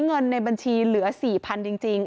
เงินในบัญชีเหลือ๔๐๐๐จริง